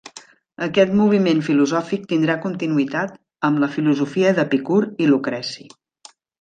Aquest moviment filosòfic tindrà continuïtat amb la filosofia d'Epicur i Lucreci.